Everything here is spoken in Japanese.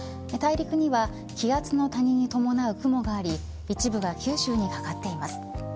大陸には気圧の谷に伴う雲があり一部が九州にかかっています。